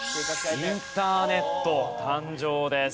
インターネット誕生です。